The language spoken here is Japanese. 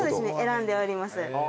選んでおります。